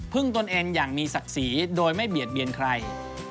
ตนเองอย่างมีศักดิ์ศรีโดยไม่เบียดเบียนใคร